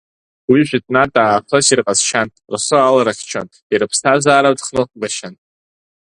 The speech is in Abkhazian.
Уи жәытәнатә аахыс ирҟазшьан, рхы аларыхьчон, ирыԥсҭазааратә хныҟәгашьан.